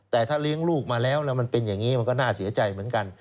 แต่ถ้าเลี้ยงลูกมาแล้วแล้วมันเป็นอย่างนี้มันก็น่าเสียใจเหมือนกัน